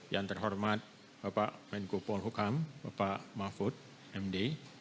yang terhormat bapak menko paul hukam bapak mahfud md